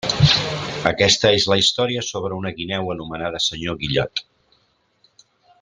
Aquesta és la història sobre una guineu anomenada senyor Guillot.